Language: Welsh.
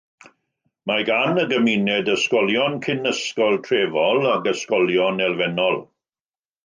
Mae gan y gymuned ysgolion cyn-ysgol trefol ac ysgolion elfennol.